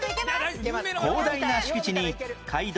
広大な敷地に街道